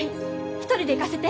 一人で行かせて。